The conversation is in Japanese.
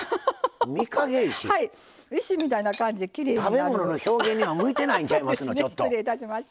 食べ物の表現には向いてないんちゃいますの？